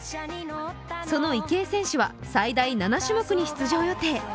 その池江選手は最大７種目に出場予定。